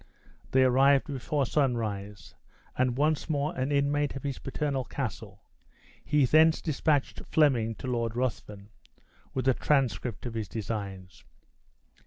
They arrived before sunrise, and once more an inmate of his paternal castle, he thence dispatched Fleming to Lord Ruthven, with a transcript of his designs.